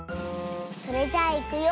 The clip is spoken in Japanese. それじゃあいくよ。